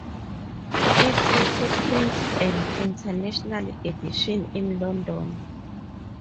It also prints an "international edition" in London.